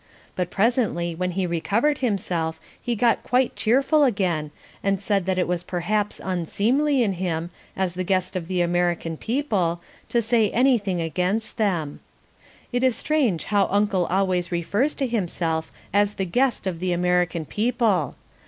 But presently when he recovered himself he got quite cheerful again, and said that it was perhaps unseemly in him, as the guest of the American people, to say anything against them. It is strange how Uncle always refers to himself as the guest of the American people.